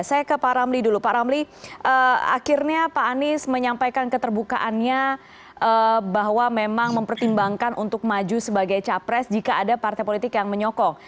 saya ke pak ramli dulu pak ramli akhirnya pak anies menyampaikan keterbukaannya bahwa memang mempertimbangkan untuk maju sebagai capres jika ada partai politik yang menyokong